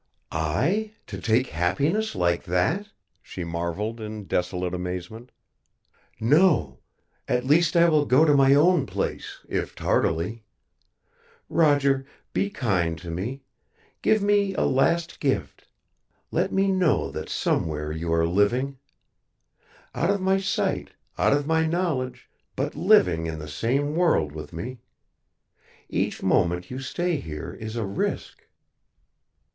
"I, to take happiness like that?" she marveled in desolate amazement. "No. At least I will go to my own place, if tardily. Roger, be kind to me. Give me a last gift. Let me know that somewhere you are living. Out of my sight, out of my knowledge, but living in the same world with me. Each moment you stay here is a risk."